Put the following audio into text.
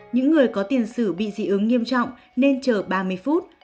những người có tiền sử bị dị ứng nghiêm trọng nên chờ ba mươi phút